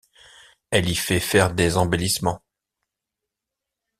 Elle y fait faire des embellissements.